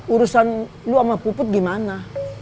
urusan lo sama puput gimana